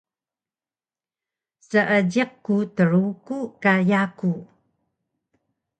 Seejiq ku Truku ka yaku